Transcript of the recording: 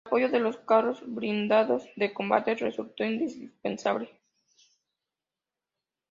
El apoyo de los carros blindados de combate resultó indispensable.